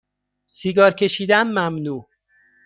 سیگار کشیدن ممنوع